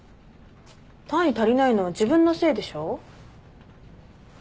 単位足りないのは自分のせいでしょ。